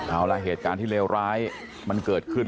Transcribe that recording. เอาละเหตุการณ์ที่เลวร้ายมันเกิดขึ้น